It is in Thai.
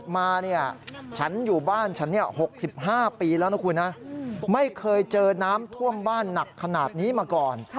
ไม่เคยเจอน้ำท่วมบ้านหนักขนาดนี้มาก่อน